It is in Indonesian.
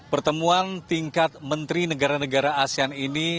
pertemuan tingkat menteri negara negara asean ini